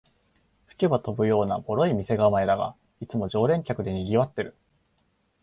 吹けば飛ぶようなボロい店構えだが、いつも常連客でにぎわってる